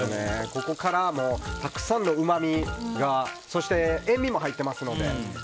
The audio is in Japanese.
ここからたくさんのうまみがそして塩みも入ってますので。